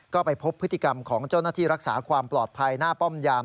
ก็ไปพบพฤติกรรมของเจ้าหน้าที่รักษาความปลอดภัยหน้าป้อมยาม